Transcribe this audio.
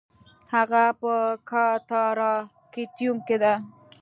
هغه په کاتاراکتیوم کې ده